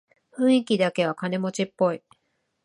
雰囲気だけは金持ちっぽい